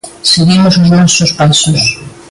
Seguimos os nosos pasos.